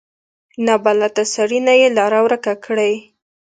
له نابلده سړي نه یې لاره ورکه کړي.